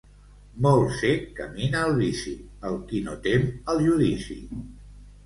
Molt cec camina al vici, el qui no tem el judici.